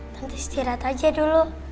tante istirahat aja dulu